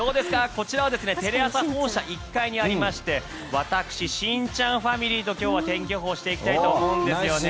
こちらはテレ朝本社１階にありまして私、しんちゃんファミリーと今日は天気予報していきたいと思うんですよね。